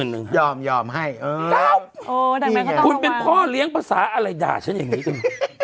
โอ้โหดังมันน่าเขาต้องเป็นประหลาดคุณเป็นพ่อเลี้ยงภาษาอะไรด่าฉันอย่างนี้หรือ